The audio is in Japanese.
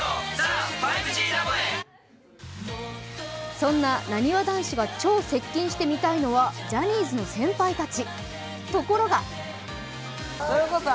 そんななにわ男子が超接近してみたいのはジャニーズの先輩たち。